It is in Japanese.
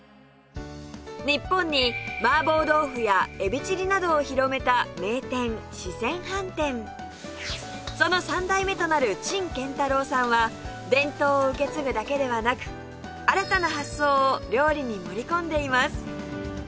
日本に麻婆豆腐やエビチリなどを広めた名店その３代目となる陳建太郎さんは伝統を受け継ぐだけではなく新たな発想を料理に盛り込んでいます